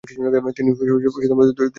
তিনি দুবার জেল খাটেন।